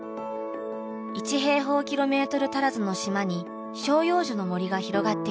１平方キロメートル足らずの島に照葉樹の森が広がっています。